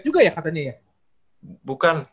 juga ya katanya ya bukan